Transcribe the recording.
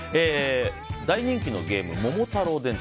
大人気のゲーム「桃太郎電鉄」